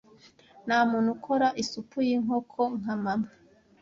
Ntamuntu ukora isupu yinkoko nka mama.